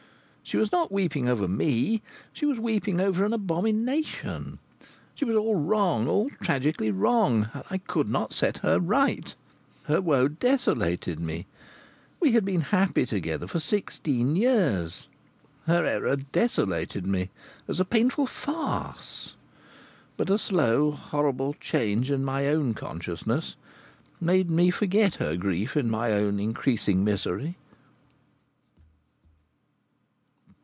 She was not weeping over me. She was weeping over an abomination. She was all wrong, all tragically wrong, and I could not set her right. Her woe desolated me. We had been happy together for sixteen years. Her error desolated me, as a painful farce. But a slow, horrible change in my own consciousness made me forget her grief in my own increasing misery.